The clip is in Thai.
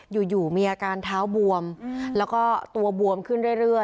อยู่มีอาการเท้าบวมแล้วก็ตัวบวมขึ้นเรื่อย